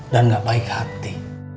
dan ga baik hati